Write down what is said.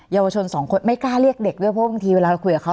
เยาวชนสองคนไม่กล้าเรียกเด็กด้วยเพราะบางทีเวลาเราคุยกับเขา